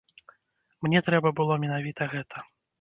Мне трэба было менавіта гэта.